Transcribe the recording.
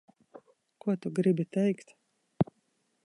Ko tu gribi teikt?